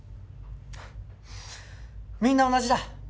みんな同じだ。